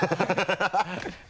ハハハ